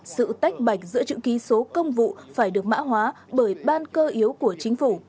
sự tách bạch giữa chữ ký số công vụ phải được mã hóa bởi ban cơ yếu của chính phủ